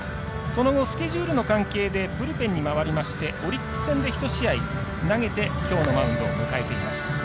その後、スケジュールの関係でブルペンに回りましてオリックス戦で１試合投げてきょうのマウンドを迎えています。